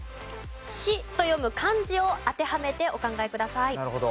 「シ」と読む漢字を当てはめてお考えください。